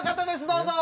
どうぞ！